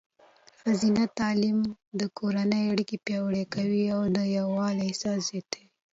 ښځینه تعلیم د کورنۍ اړیکې پیاوړې کوي او د یووالي احساس زیاتوي.